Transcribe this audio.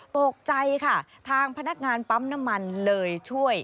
ตกใจค่ะทางพนักงานปั๊มน้ำมันเลยช่วย